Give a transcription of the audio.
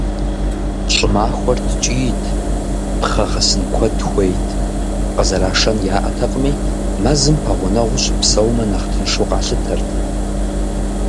Щӏымахуэр ткӏийт, пхъэ гъэсын куэд хуейт, къызэрашэн яӏэтэкъыми, мэзым пэгъунэгъуу щыпсэумэ нэхъ тыншу къалъытэрт.